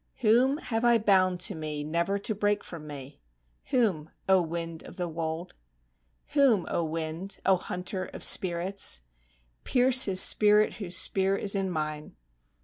Whom have I bound to me never to break from me? (Whom, O wind of the wold?) Whom, O wind! O hunter of spirits! (Pierce his spirit whose spear is in mine!)